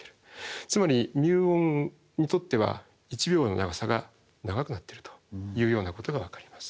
つまりミューオンにとっては１秒の長さが長くなってるというようなことがわかります。